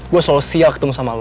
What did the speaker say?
gua selalu sial ketemu sama lo